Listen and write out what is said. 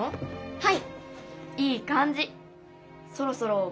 はい！